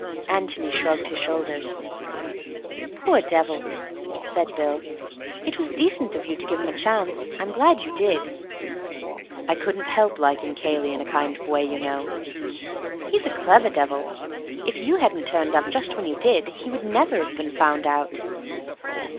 Antony shrugged his shoulders. "Poor devil," said Bill. "It was decent of you to give him a chance. I'm glad you did." "I couldn't help liking Cayley in a kind of way, you know." "He's a clever devil. If you hadn't turned up just when you did, he would never have been found out."